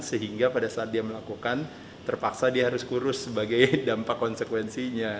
sehingga pada saat dia melakukan terpaksa dia harus kurus sebagai dampak konsekuensinya